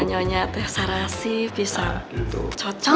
nyonya tesarasi bisa cocok